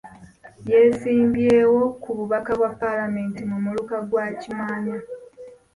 Yeesimbyewo ku bubaka bwa paalamenti mu muluka gwa Kimaanya .